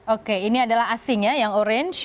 oke ini adalah asing ya yang orange